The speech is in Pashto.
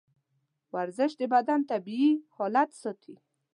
ورزش د بدن طبیعي حالت ساتي.